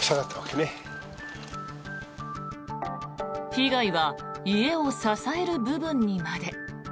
被害は家を支える部分にまで。